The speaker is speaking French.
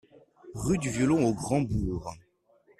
Rue du Violon au Grand-Bourg